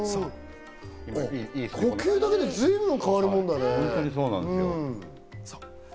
呼吸だけで随分変わるもんだね。